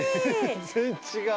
全然違う。